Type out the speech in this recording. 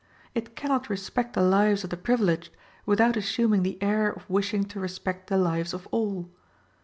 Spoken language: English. It cannot respect the lives of the privileged without assuming the air of wishing to respect the lives of all.